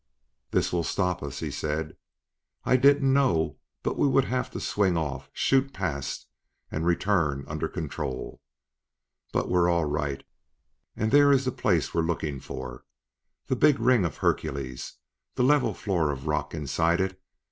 "This will stop us," he said. "I didn't know but we would have to swing off, shoot past, and return under control. But we're all right, and there is the place we are looking for the big ring of Hercules, the level floor of rock inside it.